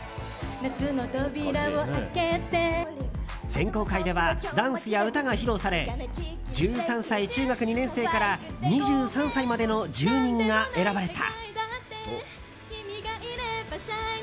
選考会ではダンスや歌が披露され１３歳、中学２年生から２３歳までの１０人が選ばれた。